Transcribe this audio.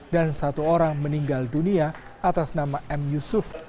dan satu orang meninggal dunia atas nama m yusuf